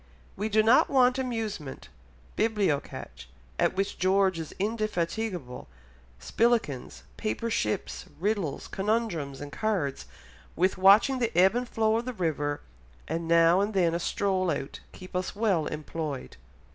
We do not want amusement; bilbocatch, at which George is indefatigable, spillikens, paper ships, riddles, conundrums, and cards, with watching the ebb and flow of the river, and now and then a stroll out keep us well employed."